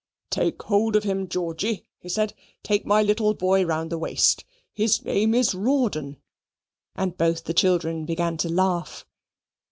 "Take hold of him, Georgy," he said "take my little boy round the waist his name is Rawdon." And both the children began to laugh.